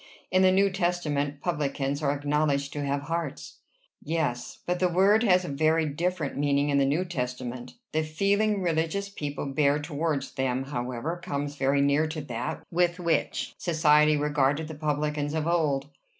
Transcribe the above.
In the New Testament, publicans are acknowledged to have hearts." "Yes; but the word has a very different meaning in the New Testament." "The feeling religious people bear towards them, however, comes very near to that with which society regarded the publicans of old."